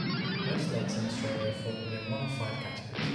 Most lakes in Australia fall within one of five categories.